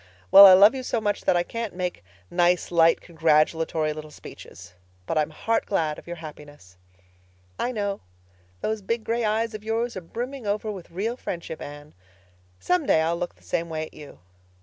Well, I love you so much that I can't make nice, light, congratulatory little speeches. But I'm heart glad of your happiness." "I know. Those big gray eyes of yours are brimming over with real friendship, Anne. Some day I'll look the same way at you.